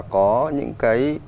có những cái